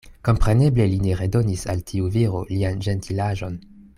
Kompreneble li ne redonis al tiu viro lian ĝentilaĵon.